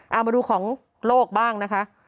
เอามาดูของโลกบ้างนะคะ